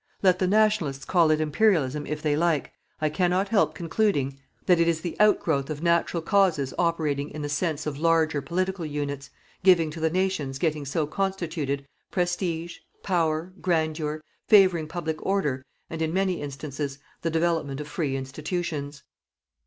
Let the "Nationalists" call it Imperialism if they like, I cannot help concluding that it is the outgrowth of natural causes operating in the sense of larger political units, giving to the Nations getting so constituted, prestige, power, grandeur, favouring public order and, in many instances, the development of free institutions.